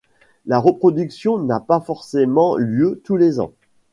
La reproduction n'a pas forcément lieu tous les ans.